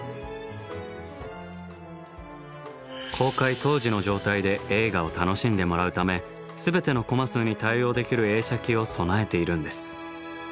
公開当時の状態で映画を楽しんでもらうため全てのコマ数に対応できる映写機を備えているんです。